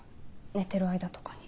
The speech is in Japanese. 寝てる間とかに。